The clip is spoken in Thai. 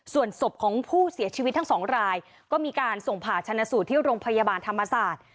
ส่วนศพของผู้เสียชีวิตทั้งสองรายก็มีการส่งผ่าชนะสูตรที่โรงพยาบาลธรรมศาสตร์